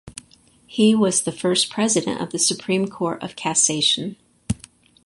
He was the first president of the Supreme Court of Cassation.